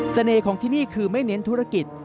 ของที่นี่คือไม่เน้นธุรกิจ